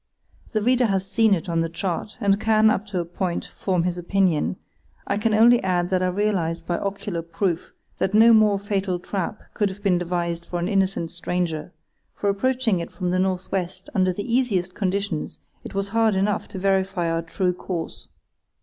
The reader has seen it on the chart, and can, up to a point, form his opinion; I can only add that I realised by ocular proof that no more fatal trap could have been devised for an innocent stranger; for approaching it from the north west under the easiest conditions it was hard enough to verify our true course.